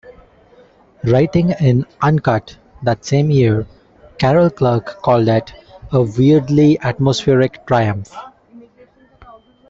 Writing in "Uncut" that same year, Carol Clerk called it "a weirdly atmospheric triumph".